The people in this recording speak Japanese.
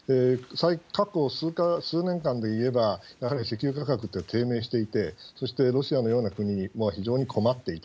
過去数年間でいえば、やはり石油価格って低迷していて、そしてロシアのような国、非常に困っていた。